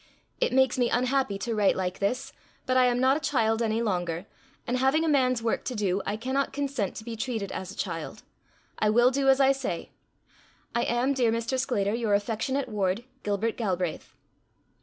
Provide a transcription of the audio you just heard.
It makes me unhappy to write like this, but I am not a child any longer, and having a man's work to do, I cannot consent to be treated as a child. I will do as I say. I am, dear Mr. Sclater, your affectionate ward, Gilbert Galbraith."